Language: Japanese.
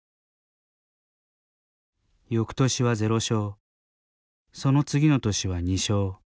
翌年はゼロ勝その次の年は２勝。